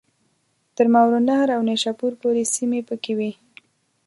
تر ماوراءالنهر او نیشاپور پوري سیمي پکښي وې.